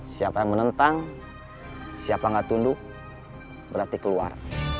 siapa yang menentang siapa nggak tunduk berarti keluar